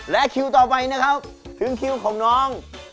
และคิวต่อไปนะครับถึงคิวของน้อง